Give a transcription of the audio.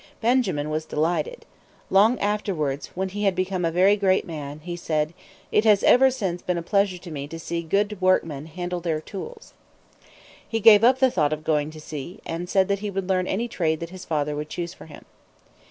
Benjamin was delighted. Long afterwards, when he had become a very great man, he said, "It has ever since been a pleasure to me to see good workmen handle their tools." He gave up the thought of going to sea, and said that he would learn any trade that his father would choose for him.